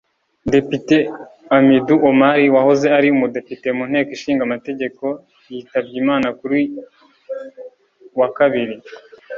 Depite Hamidou Omar wahoze ari umudepite mu nteko ishinga amategeko yitabye Imana kuri wa kabiri